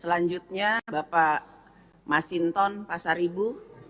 selanjutnya bapak masinton pasar ibu